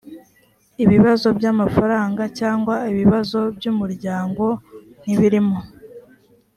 ibibazo by’amafaranga cyangwa ibibazo by’umuryango ntibirimo.